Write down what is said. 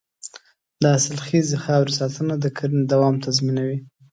د حاصلخیزې خاورې ساتنه د کرنې دوام تضمینوي.